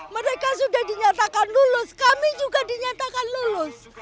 mereka sudah dinyatakan lolos kami juga dinyatakan lolos